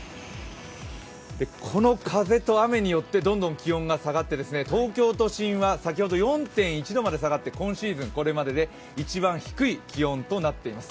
この雨によって雨が降って東京都心は先ほど４．１度まで下がって今シーズンこれまでで一番低い気温となっています。